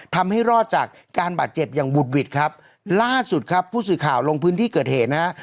ทำให้รอดจากการบาดเจ็บอย่างบุดหวิดครับล่าสุดครับผู้สื่อข่าวลงพื้นที่เกิดเหตุนะฮะ